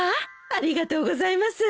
ありがとうございます。